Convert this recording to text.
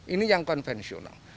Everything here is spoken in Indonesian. ini yang konvensional